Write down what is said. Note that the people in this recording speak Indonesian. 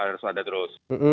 harus ada terus